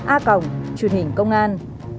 a còng truyền hình công an